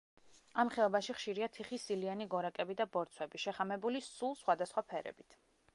ამ ხეობაში ხშირია თიხის სილიანი გორაკები და ბორცვები, შეხამებული სულ სხვა და სხვა ფერებით.